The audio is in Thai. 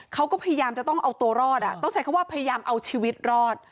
เขาก็พยายามจะต้องเอาตัวรอดต้องใช้คำว่าพยายามเอาชีวิตรอด